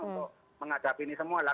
untuk menghadapi ini semua lah